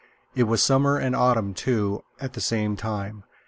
It was summer and autumn, too, at the same time.